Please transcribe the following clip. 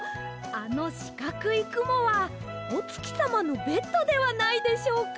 あのしかくいくもはおつきさまのベッドではないでしょうか。